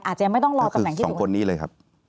อาจจะไม่ต้องรอตำแหน่งที่สูง